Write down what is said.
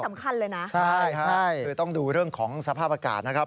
สำคัญเลยนะใช่คือต้องดูเรื่องของสภาพอากาศนะครับ